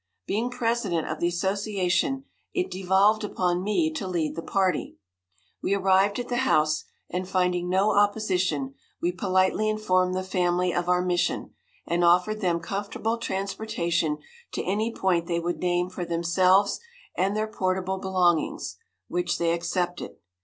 Being president of the association, it devolved upon me to lead the party. We arrived at the house, and finding no opposition, we politely informed the family of our mission, and offered them comfortable transportation to any point they would name for themselves and their portable belongings, which they accepted.